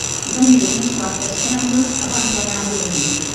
Valida unes quantes frases abans d'anar a dormir.